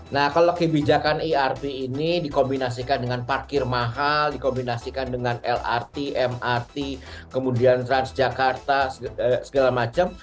nah kalau kebijakan irp ini dikombinasikan dengan parkir mahal dikombinasikan dengan lrt mrt kemudian transjakarta segala macam